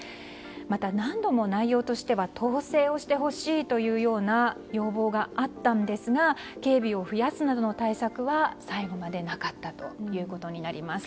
また、何度も内容としては統制をしてほしいというような要望があったんですが警備を増やすなどの対策は最後までなかったということになります。